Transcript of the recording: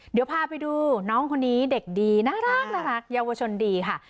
เดี๋ยวพาไปดูน้องคนนี้เด็กดีน่ารักนะคะเยาวชนดีค่ะ